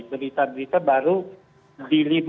berita berita baru di lima